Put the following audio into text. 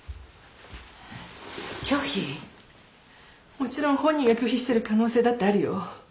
もちろん本人が拒否してる可能性だってあるよ。